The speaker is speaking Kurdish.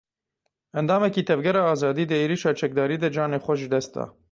Endamekî Tevgera Azadî di êrişa çekdarî de canê xwe ji dest da.